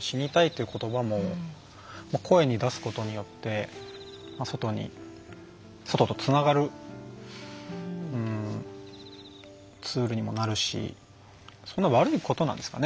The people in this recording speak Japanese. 死にたいという言葉も声に出すことによって外とつながるツールにもなるしそんな悪いことなんですかね